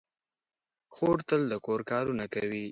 خور تل د کور کارونه کوي.